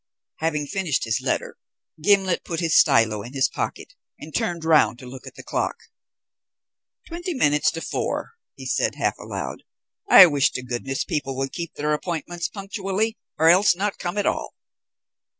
Having finished his letter, Gimblet put his stylo in his pocket, and turned round to look at the clock. "Twenty minutes to four," he said half aloud. "I wish to goodness people would keep their appointments punctually, or else not come at all."